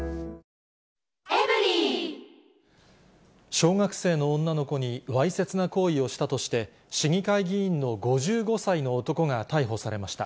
小学生の女の子にわいせつな行為をしたとして市議会議員の５５歳の男が逮捕されました。